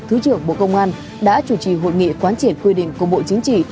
thứ trưởng bộ công an đã chủ trì hội nghị quán triển quy định của bộ chính trị